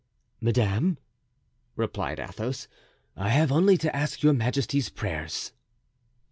"Madame," replied Athos, "I have only to ask your majesty's prayers."